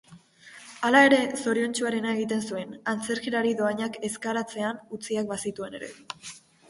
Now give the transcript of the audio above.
Hala ere, zoriontsuarena egiten zuen, antzerkilari dohainak ezkaratzean utziak bazituen ere.